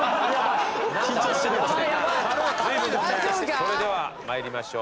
それでは参りましょう。